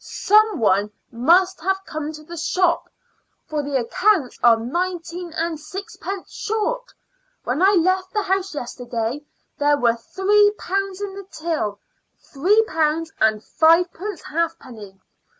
"Some one must have come into the shop, for the accounts are nineteen and sixpence short. When I left the house yesterday there were three pounds in the till three pounds and fivepence halfpenny.